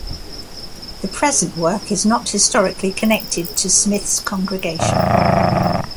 The present work is not historically connected to Smyth's congregation.